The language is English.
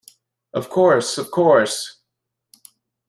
Of course, of course!